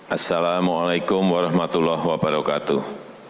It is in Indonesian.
assalamu'alaikum warahmatullahi wabarakatuh